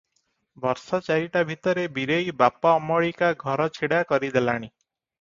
ବର୍ଷଚାରିଟା ଭିତରେ ବୀରେଇ ବାପ ଅମଳିକା ଘର ଛିଡ଼ା କରିଦେଲାଣି ।